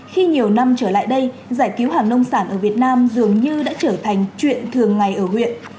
khi nhiều năm trở lại đây giải cứu hàng nông sản ở việt nam dường như đã trở thành chuyện thường ngày ở huyện